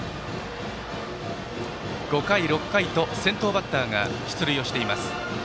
５回、６回と先頭バッターが出塁しています。